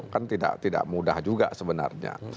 kan tidak mudah juga sebenarnya